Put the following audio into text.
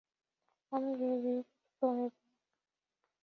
আমি ধীরে-সুস্থে যাবো।